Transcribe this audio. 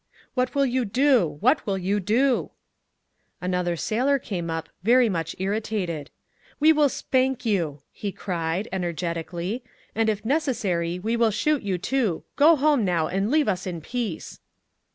"What will you do? What will you do?" Another sailor came up, very much irritated. "We will spank you!" he cried, energetically. "And if necessary we will shoot you too. Go home now, and leave us in peace!"